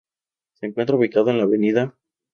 Se encuentra ubicada en la Av.